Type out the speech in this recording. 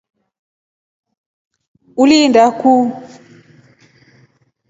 Ulinda kuu.